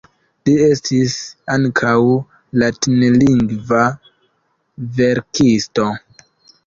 Li estis ankaŭ latinlingva verkisto.